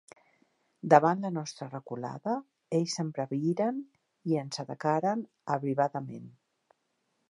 Davant la nostra reculada, ells s'embraviren i ens atacaren abrivadament.